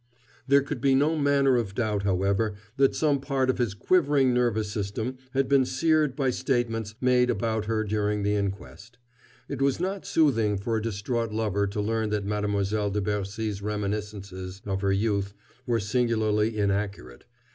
There could be no manner of doubt, however, that some part of his quivering nervous system had been seared by statements made about her during the inquest. It was not soothing for a distraught lover to learn that Mademoiselle de Bercy's reminiscences of her youth were singularly inaccurate.